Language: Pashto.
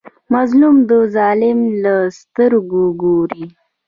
مظلوم د ظالم له سترګو ګوري.